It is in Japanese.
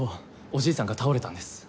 おじいさんが倒れたんです。